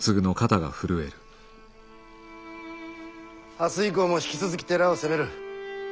明日以降も引き続き寺を攻める。